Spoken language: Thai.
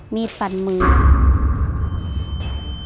มีดฟันมือ